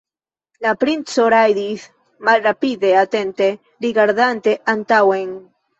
La princo rajdis malrapide, atente rigardante antaŭen.